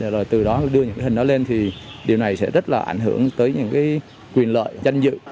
rồi từ đó đưa những hình đó lên thì điều này sẽ rất là ảnh hưởng tới những quyền lợi danh dự